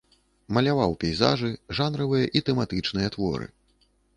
Маляваў пейзажы, жанравыя і тэматычныя творы.